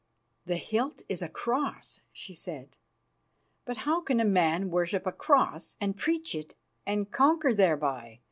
"The hilt is a cross," she said; "but how can a man worship a cross and preach it and conquer thereby?